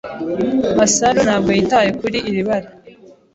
Masaru ntabwo yitaye kuri iri bara.